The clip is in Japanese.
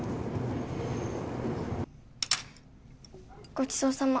ごちそうさま。